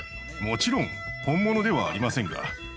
もちろん本物ではありませんが。